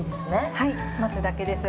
はい待つだけです。